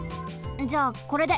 じゃあこれで。